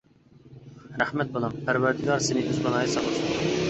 رەھمەت بالام، پەرۋەردىگار سىنى ئۆز پاناھىدا ساقلىسۇن!